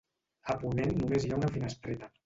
A ponent només hi ha una finestreta.